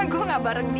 gue gak bareng dia